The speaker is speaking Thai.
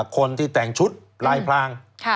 คนที่แต่งชุดลายพราง